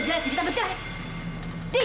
jangan sama papa disini